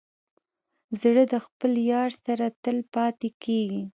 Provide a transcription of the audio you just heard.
زړه د خپل یار سره تل پاتې کېږي.